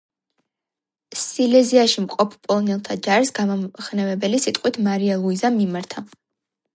სილეზიაში მყოფ პოლონელთა ჯარს გამამხნევებელი სიტყვით მარია ლუიზამ მიმართა.